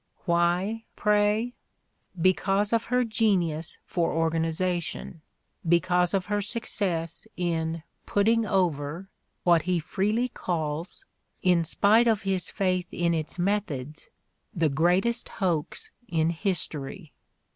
Why, pray? Because of her genius for organization, because of her success in "putting over" what he freely calls, in spite of his faith in its methods, the greatest hoax in history.